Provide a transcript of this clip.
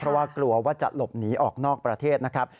เพราะว่ากลัวว่าจะหลบหนีออกนอกประเทศนะครับ